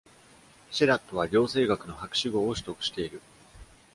シェラットは、行政学の博士号を取得している。